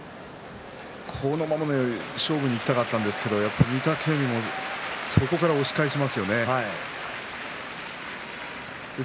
そのまま勝負にいきたかったんですけども御嶽海も押し返しましたね。